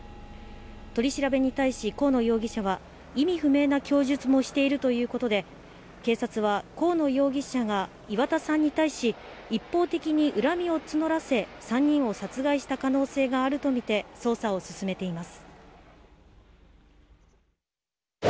取り調べに対し、河野容疑者は、意味不明な供述もしているということで、警察は、河野容疑者が岩田さんに対し、一方的に恨みを募らせ、３人を殺害した可能性があると見て、捜査を進めています。